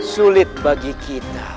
sulit bagi kita